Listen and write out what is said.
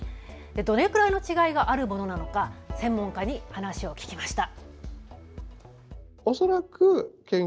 どれくらい違いがあるものなのか専門家に話を聞きました。